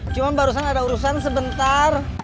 cuma barusan ada urusan sebentar